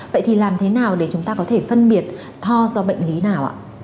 vậy thì làm thế nào để chúng ta có thể phân biệt ho do bệnh lý nào ạ